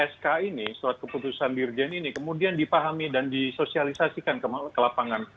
sk ini surat keputusan dirjen ini kemudian dipahami dan disosialisasikan ke lapangan